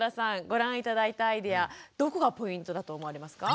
ご覧頂いたアイデアどこがポイントだと思われますか？